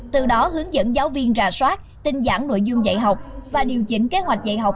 từ đó hướng dẫn giáo viên rà soát tinh giản nội dung dạy học và điều chỉnh kế hoạch dạy học